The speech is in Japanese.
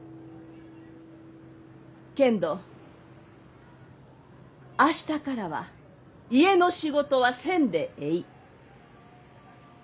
けんど明日からは家の仕事はせんでえい。